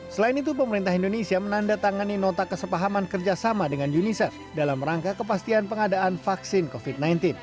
selain itu pemerintah indonesia menandatangani nota kesepahaman kerjasama dengan unicef dalam rangka kepastian pengadaan vaksin covid sembilan belas